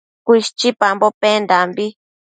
Cuishchipambo pendambi